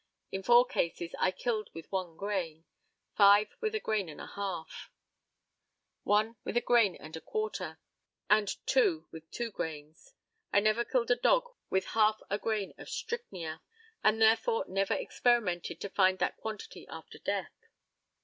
In four cases, I killed with one grain, five with a grain and a half, one with a grain and a quarter, and two with two grains. I never killed a dog with half a grain of strychnia, and therefore never experimented to find that quantity after death.